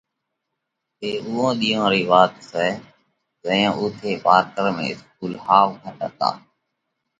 اي اُوئون ۮِيئون رئِي وات سئہ زئيون اُوٿئہ پارڪر ۾ اسڪُول ۿاوَ گھٽ هتا۔